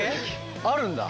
あるんだ？